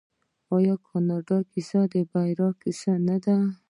آیا د کاناډا کیسه د بریا کیسه نه ده؟